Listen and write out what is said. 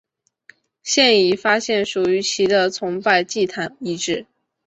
现已发现属于其的崇拜祭坛遗址。